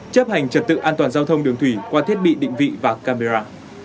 chấp hành trật tự an toàn giao thông đường thủy qua thiết bị định vị và camera